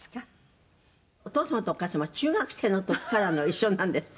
「お父様とお母様中学生の時から一緒なんですって？」